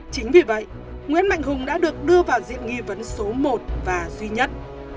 chính vì vậy nguyễn mạnh hùng đã được đưa vào diện nghi vấn số một và duy nhất